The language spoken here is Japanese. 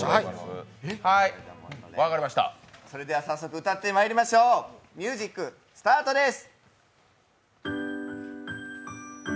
それでは早速、歌ってまいりましょう、ミュージックスタートです。